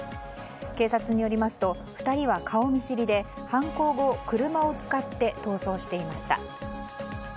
警察によりますと２人は顔見知りで犯行後、車を使って逃走していました。